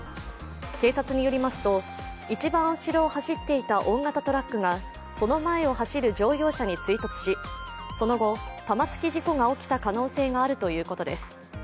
警察によりますと、一番後ろを走っていた大型トラックがその前を走る乗用車に追突しその後、玉突き事故が起きた可能性があるということです。